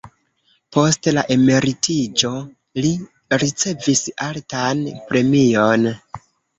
Post la emeritiĝo li ricevis altan premion.